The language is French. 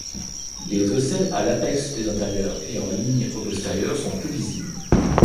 Les ocelles à l'apex des antérieures et en ligne aux postérieures sont peu visibles.